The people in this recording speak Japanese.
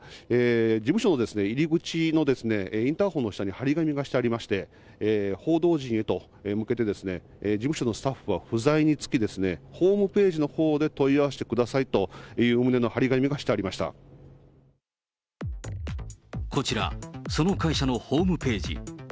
事務所の入り口のインターホンの下に貼り紙がしてありまして、報道陣へと、向けてですね、事務所のスタッフは不在につき、ホームページのほうで問い合わせてくださいという旨の貼り紙がしこちら、その会社のホームページ。